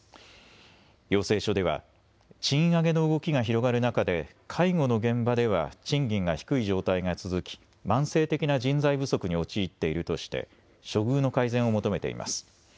要請書では賃上げの動きが広がる中で介護の現場では賃金が低い状態が続き、慢性的な人材不足に陥っているとして処遇の改善を求めています。